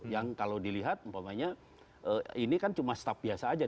yang kalau dilihat ini kan cuma staf biasa saja